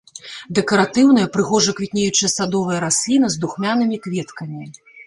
Дэкаратыўная прыгожа квітнеючая садовая расліна з духмянымі кветкамі.